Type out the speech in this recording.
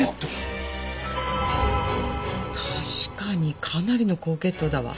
確かにかなりの高血糖だわ。